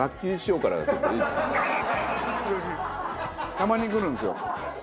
たまにくるんですよ。